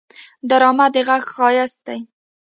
ډرامه د غږ ښايست دی